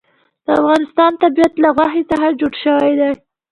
د افغانستان طبیعت له غوښې څخه جوړ شوی دی.